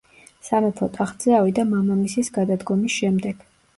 სამეფო ტახტზე ავიდა მამამისის გადადგომის შემდეგ.